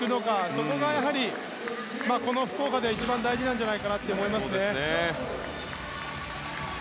そこが、やはりこの福岡で一番大事なんじゃないかと思います。